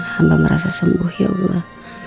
hamba merasa sembuh ya allah